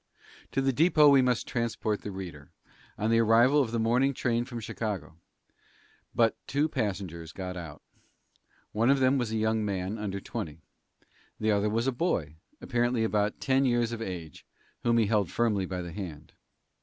To the depot we must transport the reader, on the arrival of the morning train from Chicago. But two passengers got out. One of them was a young man under twenty. The other was a boy, apparently about ten years of age, whom he held firmly by the hand.